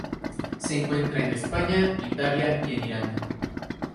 Se encuentra en España, Italia y en Irán.